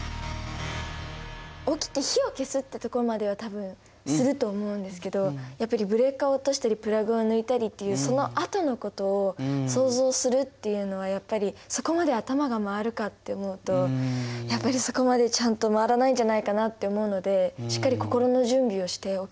起きて火を消すってところまでは多分すると思うんですけどやっぱりブレーカーを落としたりプラグを抜いたりっていうそのあとのことを想像するっていうのはやっぱりそこまで頭が回るかって思うとやっぱりそこまでちゃんと回らないんじゃないかなって思うのでしっかり心の準備をしておきたいなって思います。